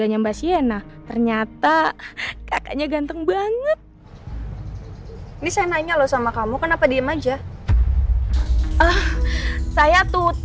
jangan dipendam ya